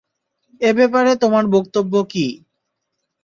এ ব্যাপারে তোমার বক্তব্য কি?